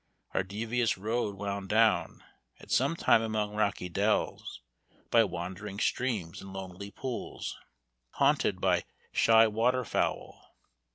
Our devious road wound down, at one time among rocky dells, by wandering streams, and lonely pools, haunted by shy water fowl.